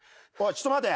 ちょっと待て。